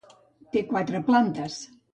Té quatre plantes.